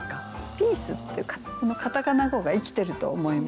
「ピース」っていうこのカタカナ語が活きてると思います。